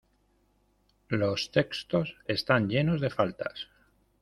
Los textos están llenos de faltas.